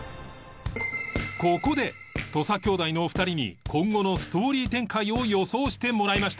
ここで土佐兄弟のお二人に今後のストーリー展開を予想してもらいました